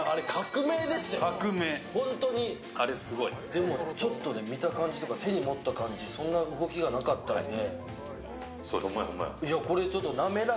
でもちょっと、見た感じとか手に持った感じでそんなに動きがなかったんで。